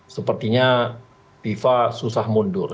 sepertinya fifa susah mundur